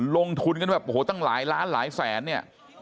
ลงทุนกันแบบโอ้โหตั้งหลายล้านหลายแสนเนี่ย